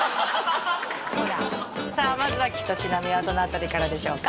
ほらまずは一品目はどのあたりからでしょうか？